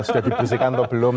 sudah dibesekan atau belum